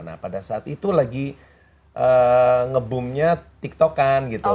nah pada saat itu lagi nge boomnya tiktokan gitu